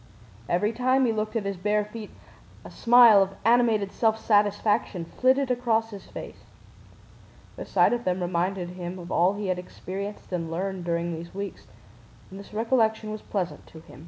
Every time he looked at his bare feet a smile of animated self satisfaction flitted across his face. The sight of them reminded him of all he had experienced and learned during these weeks and this recollection was pleasant to him.